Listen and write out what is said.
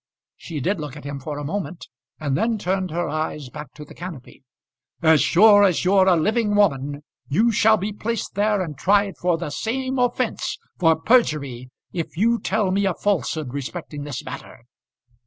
She did look at him for a moment, and then turned her eyes back to the canopy. "As sure as you're a living woman, you shall be placed there and tried for the same offence, for perjury, if you tell me a falsehood respecting this matter."